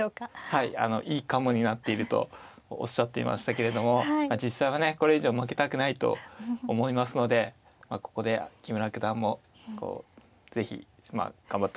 はいあのいいカモになっているとおっしゃっていましたけれども実際はねこれ以上負けたくないと思いますのでここで木村九段も是非まあ頑張ってほしいところですね。